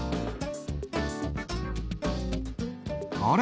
あれ？